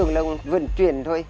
khi nở tưởng là vận chuyển thôi